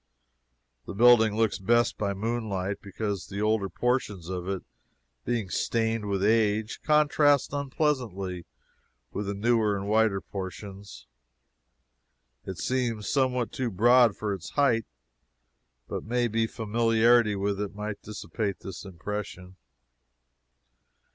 The building looks best by moonlight, because the older portions of it, being stained with age, contrast unpleasantly with the newer and whiter portions. It seems somewhat too broad for its height, but may be familiarity with it might dissipate this impression.